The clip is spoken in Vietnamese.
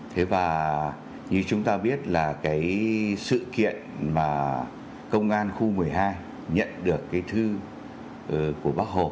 thế và như chúng ta biết là cái sự kiện mà công an khu một mươi hai nhận được cái thư của bác hồ